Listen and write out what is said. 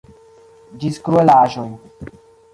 Ĝis kruelaĵoj.